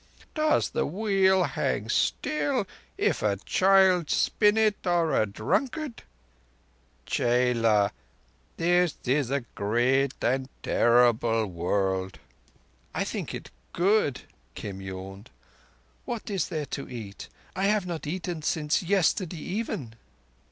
Does the Wheel hang still if a child spin it—or a drunkard? Chela, this is a great and a terrible world." "I think it good," Kim yawned. "What is there to eat? I have not eaten since yesterday even."